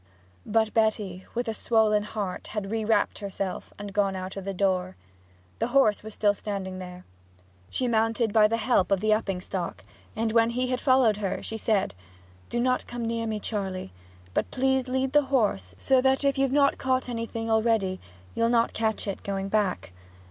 But Betty with a swollen heart had rewrapped herself and gone out of the door. The horse was still standing there. She mounted by the help of the upping stock, and when he had followed her she said, 'Do not come near me, Charley; but please lead the horse, so that if you've not caught anything already you'll not catch it going back.